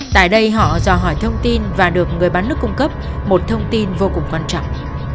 tại đây họ do hỏi thông tin và được người bán nước cung cấp một thông tin vô cùng quan trọng